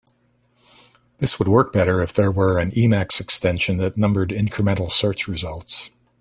This would work better if there were an Emacs extension that numbered incremental search results.